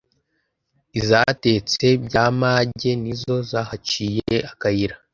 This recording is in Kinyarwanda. Izatetse by’amage nizo zahaciye akayira